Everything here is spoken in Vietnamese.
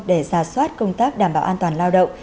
để xà xoát công tác đảm bảo an toàn lao động